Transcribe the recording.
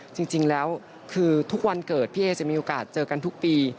จริงแล้วคือทุกวันเกิดพี่เอจะมีโอกาสเจอกันทุกปี